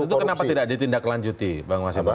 saat itu kenapa tidak ditindak lanjuti bang mas ibu